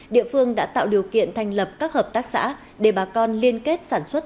địa phương đã tạo điều kiện thành lập các hợp tác xã để bà con liên kết sản xuất